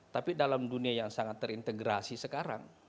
tapi dalam dunia yang sangat terintegrasi sekarang